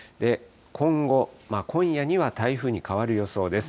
今後、今夜には台風に変わる予想です。